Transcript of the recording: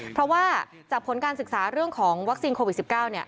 เพราะว่าจากผลการศึกษาเรื่องของวัคซีนโควิด๑๙